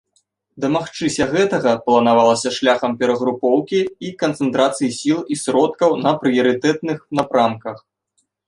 Дамагчыся гэтага, планавалася шляхам перагрупоўкі і канцэнтрацыі сіл і сродкаў на прыярытэтных напрамках.